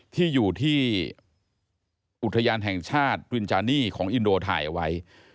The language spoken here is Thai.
ที่อยู่ที่อุทยานแห่งชาติรินจานีของอินโดถ่ายเอาไว้